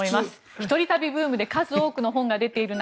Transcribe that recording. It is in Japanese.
一人旅ブームで数多くの本が出ている中